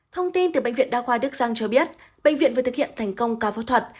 thông tin từ bệnh viện đa khoa đức giang cho biết bệnh viện vừa thực hiện thành công ca phẫu thuật